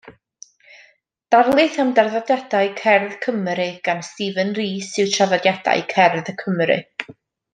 Darlith am draddodiadau cerdd Cymru gan Stephen Rees yw Traddodiadau Cerdd Cymru.